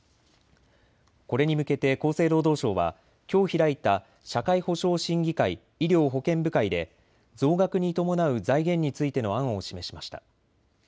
これに向けて厚生労働省はきょう開いた社会保障審議会医療保険部会で増額に伴う財源についての案を示しました。